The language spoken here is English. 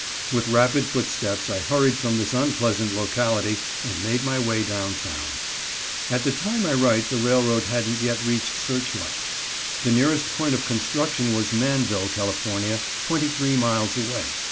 With rapid footsteps I hurried from this unpleasant locality and made my way down town. At the time I write the railroad hadn't yet reached Searchlight. The nearest point of construction was Manvel, Cal., twenty three miles away.